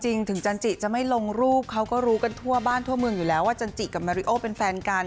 จริงถึงจันจิจะไม่ลงรูปเขาก็รู้กันทั่วบ้านทั่วเมืองอยู่แล้วว่าจันจิกับมาริโอเป็นแฟนกัน